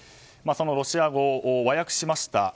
そのロシア語を和訳しました。